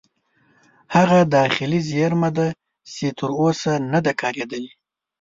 هغه داخلي زیرمه ده چې تر اوسه نه ده کارېدلې.